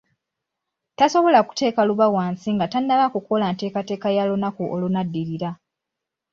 Tasobola kuteeka luba wansi nga tannaba kukola nteekateeka ya lunaku olunaddirira.